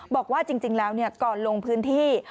บอกว่าจริงแล้วก่อนลงพื้นที่